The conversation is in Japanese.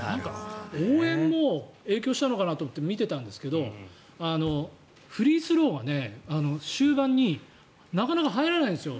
応援も影響したのかなと思って見てたんですがフリースローが終盤になかなか入らないんですよ